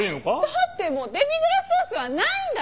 だってもうデミグラスソースはないんだよ。